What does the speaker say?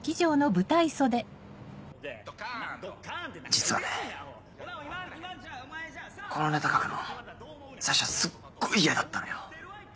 実はねこのネタ書くの最初すっごい嫌だったのよ。